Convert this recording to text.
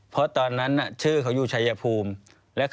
เพราะตอนนั้นชื่อเขาอยู่ชายภูมิ